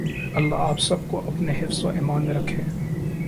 اللہ آپ سب کو اپنے حفظ و ایمان میں رکھے۔